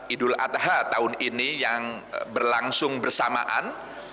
idul adha tahun ini yang berlangsung bersamaan